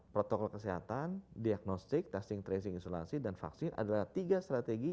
protokol kesehatan diagnostic testing tracing isolasi dan vaksin adalah tiga strategi